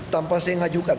tanpa saya mengajukan